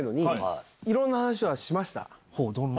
どんな？